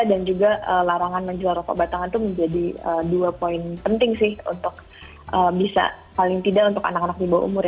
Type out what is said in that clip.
dan juga larangan menjual rokok batangan itu menjadi dua poin penting sih untuk bisa paling tidak untuk anak anak di bawah umur ya